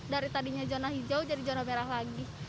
dari tadinya zona hijau jadi zona merah lagi